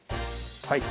はい